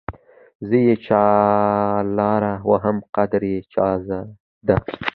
زه يې چالره وهم قدر يې چازده